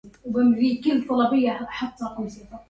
زر مضجعا قد بات ملحم ثاويا